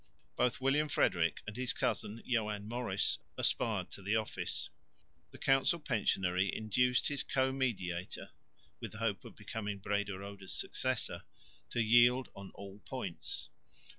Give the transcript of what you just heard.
Both William Frederick and his cousin Joan Maurice aspired to the office. The council pensionary induced his co mediator, with the hope of becoming Brederode's successor, to yield on all points.